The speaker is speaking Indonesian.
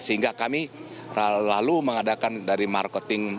sehingga kami lalu mengadakan dari marketing